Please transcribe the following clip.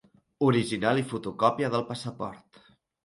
Original i fotocòpia del passaport.